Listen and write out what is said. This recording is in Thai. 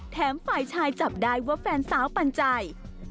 แถมฝ่ายชายจับได้ว่าแฟนสาวปัญจัย